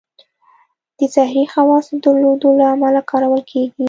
د زهري خواصو درلودلو له امله کارول کېږي نه.